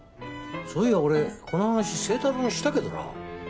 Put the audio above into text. そういや俺この話星太郎にしたけどな。